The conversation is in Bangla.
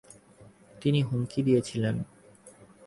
তিনি হুমকি দিয়েছিলেন।